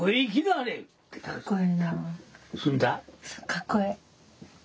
かっこええ。